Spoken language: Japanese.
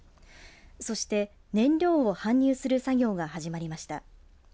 そして燃料を搬入する作業が始まりました。